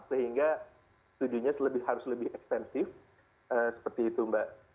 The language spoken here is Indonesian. sehingga tujuannya harus lebih ekstensif seperti itu mbak